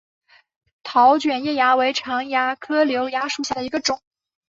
桃卷叶蚜为常蚜科瘤蚜属下的一个种。